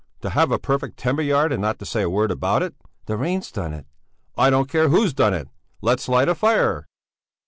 To have a perfect timber yard and not to say a word about it!" "The rain's done it!" "I don't care who's done it! Let's light a fire!"